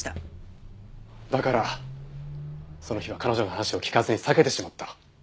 だからその日は彼女の話を聞かずに避けてしまった。